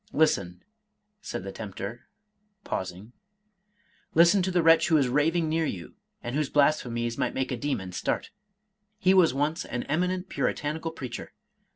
— Listen," said the tempter, pausing, " listen to the wretch who is raving near you, and whose blasphemies might make a demon start. — He was once an eminent puri tanical preacher.